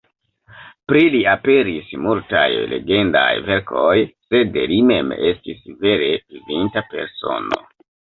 Pri li aperis multaj legendaj verkoj, sed li mem estis vere vivinta persono.